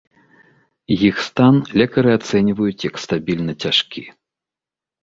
Іх стан лекары ацэньваюць як стабільна цяжкі.